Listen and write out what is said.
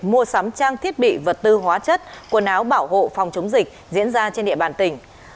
mua sắm trang thiết bị vật tư hóa chất quần áo bảo hộ phòng chống dịch diễn ra trên địa bàn tỉnh